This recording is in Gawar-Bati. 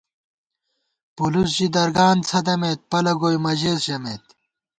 پُلُس ژی درگان څھدَمېت پَلہ گوئی مہ ژېس ژَمېت